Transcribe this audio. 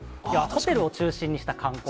ホテルを中心にした観光。